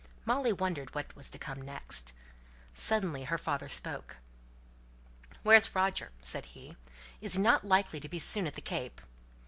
Molly wondered what was to come next. Suddenly her father spoke, "Where's Roger?" said he. "Is he not likely to be soon at the Cape?"